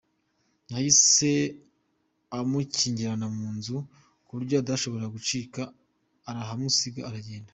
Yahise amukingirana mu nzu ku buryo atashoboraga gucika arahamusiga aragenda.